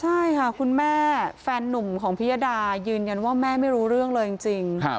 ใช่ค่ะคุณแม่แฟนนุ่มของพิยดายืนยันว่าแม่ไม่รู้เรื่องเลยจริง